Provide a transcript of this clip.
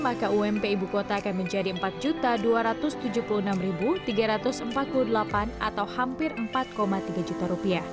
maka ump ibu kota akan menjadi rp empat dua ratus tujuh puluh enam tiga ratus empat puluh delapan atau hampir rp empat tiga juta